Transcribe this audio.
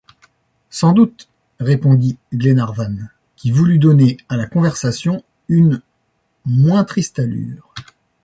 Sans doute, répondit Glenarvan, qui voulut donner à la conversation une moins triste allure.